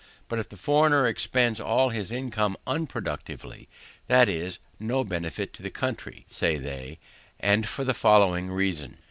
But if the foreigner expends all his income unproductively, it is no benefit to the country, say they, and for the following reason.